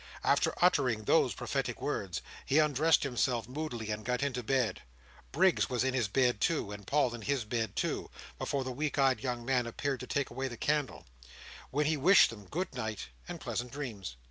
After uttering those prophetic words, he undressed himself moodily, and got into bed. Briggs was in his bed too, and Paul in his bed too, before the weak eyed young man appeared to take away the candle, when he wished them good night and pleasant dreams.